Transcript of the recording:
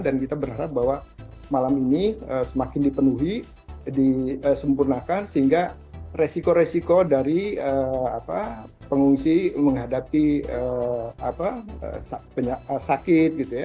dan kita berharap bahwa malam ini semakin dipenuhi disempurnakan sehingga resiko resiko dari pengungsi menghadapi sakit